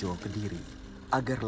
agar langsung bisa menjaga kemampuan